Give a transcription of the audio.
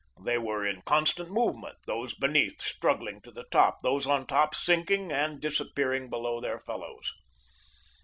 They were in constant movement; those beneath struggling to the top, those on top sinking and disappearing below their fellows.